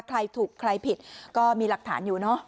ใครถูกใครผิดก็มีหลักฐานอยู่เนอะ